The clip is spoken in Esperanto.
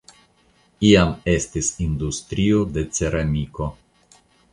Iam estis industrio de ceramiko.